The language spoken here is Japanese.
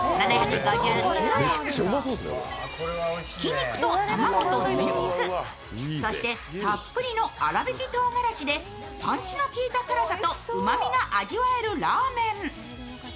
ひき肉と卵とにんにく、そしてたっぷりの粗びきとうがらしでパンチの効いた辛さとうまみが味わえるラーメン。